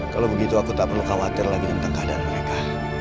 kalau begitu aku tak perlu khawatir lagi tentang keadaan mereka